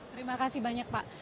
terima kasih banyak pak